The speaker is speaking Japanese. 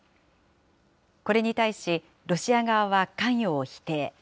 これに対し、ロシア側は関与を否定。